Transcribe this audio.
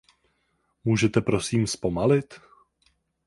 Můžete prosím zpomalit?